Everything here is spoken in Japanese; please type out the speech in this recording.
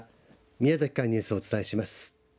宮崎からニュースをお伝えします。